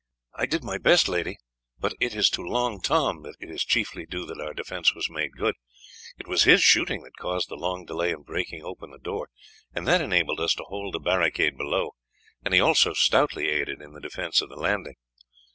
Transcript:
"I did my best, lady; but it is to Long Tom that it is chiefly due that our defence was made good. It was his shooting that caused the long delay in breaking open the door, and that enabled us to hold the barricade below, and he also stoutly aided in the defence of the landing."